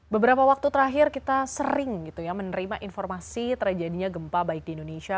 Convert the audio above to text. beberapa waktu terakhir kita sering menerima informasi terjadinya gempa baik di indonesia